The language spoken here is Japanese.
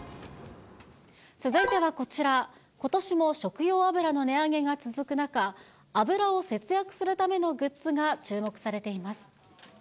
続いてはこちら、ことしも食用油の値上げが続く中、油を節約するためのグッズが注目されています。